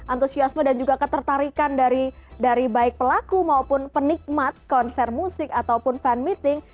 antusiasme dan juga ketertarikan dari baik pelaku maupun penikmat konser musik ataupun fan meeting